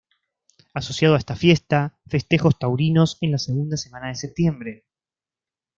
Asociado a esta fiesta, festejos taurinos en la segunda semana de septiembre.